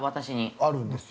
◆あるんですよ。